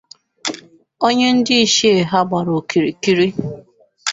onye ndị ichie ya gbara okirikiri